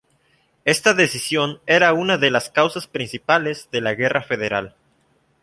Esta decisión era una de las causas principales de la Guerra Federal.